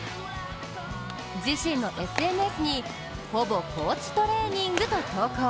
自身のＳＮＳにほぼ高地トレーニングと投稿。